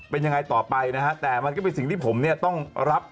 เป็นยังไงต่อไปนะฮะแต่มันก็เป็นสิ่งที่ผมเนี่ยต้องรับ